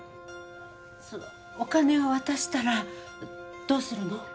そのお金を渡したらどうするの？